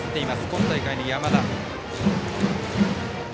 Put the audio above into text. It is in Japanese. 今大会の山田。